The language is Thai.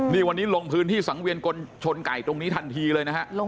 นี่วันนี้ลงพื้นที่สังเวียนชนไก่ตรงนี้ทันทีเลยนะฮะ